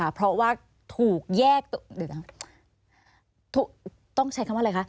เพราะว่าถูกแยกต้องใช้คำว่าอะไรคะ